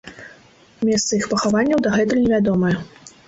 Месцы іх пахаванняў дагэтуль не вядомыя.